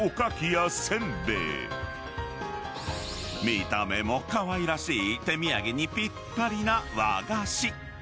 ［見た目もかわいらしい手土産にぴったりな和菓子］